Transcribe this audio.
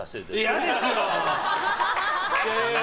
嫌ですよ！